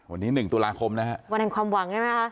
วันนี้๑ตุลาคมนะฮะวันแห่งความหวังใช่ไหมคะ